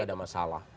tidak ada masalah